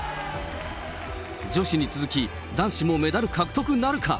女子に続き、男子もメダル獲得なるか。